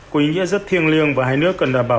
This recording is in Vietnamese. có ý nghĩa rất thiêng liêng và hai nước cần đảm bảo